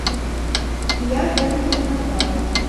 І я гэтаму дапамагаў.